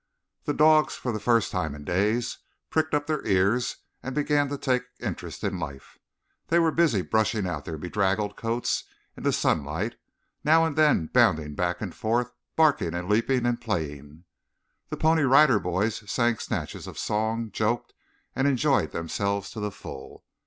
The dogs, for the first time in days, pricked up their ears and began to take interest in life. They were busy brushing out their bedraggled coats in the sunlight, now and then bounding back and forth, barking and leaping and playing. The Pony Rider Boys sang snatches of song, joked, and enjoyed themselves to the full.